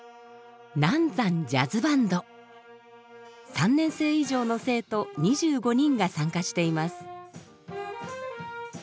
３年生以上の生徒２５人が参加しています。